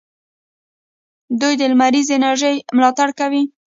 دوی د لمریزې انرژۍ ملاتړ کوي.